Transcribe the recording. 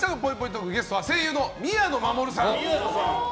トークゲストは声優の宮野真守さん。